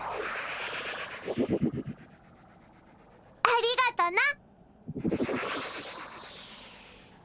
ありがとな。